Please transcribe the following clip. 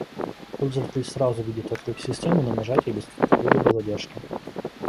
Пользователь сразу видит отклик системы на нажатие без какой-либо задержки